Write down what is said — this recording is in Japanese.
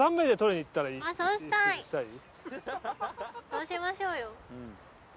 うしましょうよ。